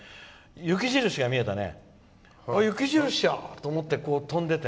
雪印が見えたね。